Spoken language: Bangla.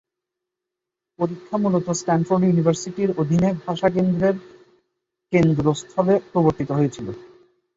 পরীক্ষার মূলত স্ট্যানফোর্ড ইউনিভার্সিটির অধীনে ভাষা কেন্দ্রের কেন্দ্রস্থলে প্রবর্তিত হয়েছিল।